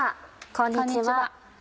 こんにちは。